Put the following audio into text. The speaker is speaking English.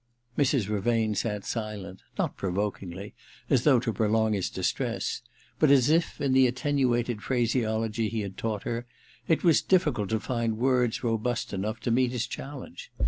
' THE DILETTANTE 275 Mrs. Vervain sat silent, not provokingly, as though to prolong his distress, but as if, in the attenuated phraseology he had taught her, it was difficult to find words robust enough to meet his challenge.